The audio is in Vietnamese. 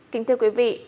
kính thưa quý vị